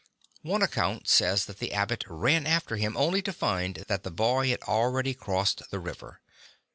One account says that the Abbot ran after him only to find that the boy had already crossed the river.